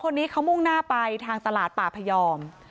คนนี้เขามุ่งหน้าไปทางตลาดป่าพยอม